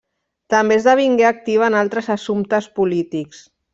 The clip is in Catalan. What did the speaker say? També esdevingué activa en altres assumptes polítics.